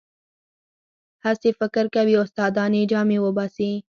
هسې فکر کوي استادان یې جامې وباسي.